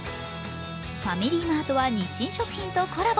ファミリーマートは日清食品とコラボ。